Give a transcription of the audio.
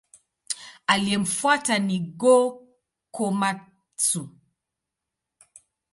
Aliyemfuata ni Go-Komatsu.